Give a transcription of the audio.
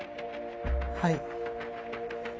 はい。